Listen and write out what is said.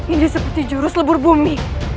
ini seperti jurus lebur bumi